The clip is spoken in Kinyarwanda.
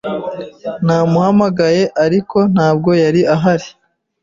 Namuhamagaye, ariko ntabwo yari ahari.